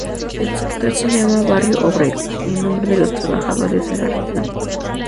El sector se llama Barrio Obrero, en nombre de los trabajadores de la región.